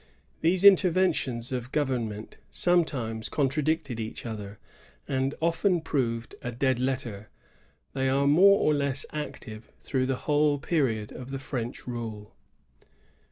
These interventions of government sometimes contra dicted one another, and often proved a dead letter. They are more or less active through the whole period of the French rule.